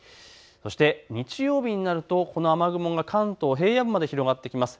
そして日曜日になるとこの雨雲が関東の平野部まで広がってきます。